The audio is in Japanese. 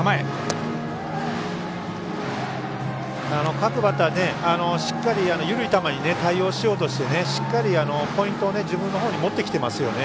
各バッター、しっかり緩い球に対応しようとしてしっかり、ポイントを自分のほうに持ってきていますよね。